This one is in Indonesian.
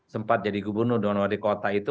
sempat jadi gubernur dan wadikota itu